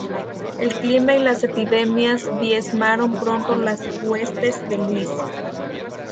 El clima y las epidemias diezmaron pronto las huestes de Luis.